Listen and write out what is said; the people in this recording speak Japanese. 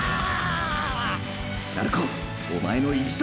鳴子おまえの意地と！！